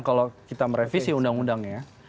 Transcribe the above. kalau kita merevisi undang undangnya